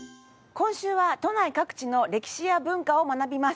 今週は都内各地の歴史や文化を学びます。